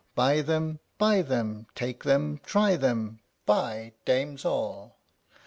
Buy them, buy them, take them, try them, Buy, dames all."